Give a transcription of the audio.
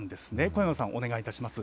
小山さん、お願いいたします。